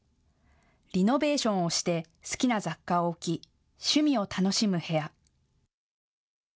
リノベーションをして好きな雑貨を置き、趣味を楽しむ部屋。